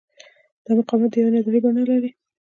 دا مقاومت د یوې نظریې بڼه لري.